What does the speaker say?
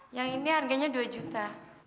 yang ini harganya dua juta